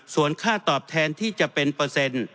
ส่วนค่าตอบแทนที่จะเป็นเปอร์เซ็นต์